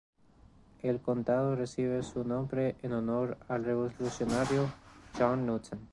El condado recibe su nombre en honor al revolucionario John Newton.